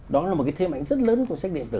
đó là một cái thêm ảnh rất lớn của sách điện tử